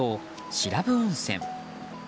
白布温泉。